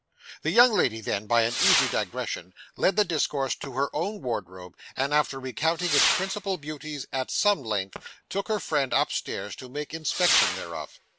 The young lady then, by an easy digression, led the discourse to her own wardrobe, and after recounting its principal beauties at some length, took her friend upstairs to make inspection thereof.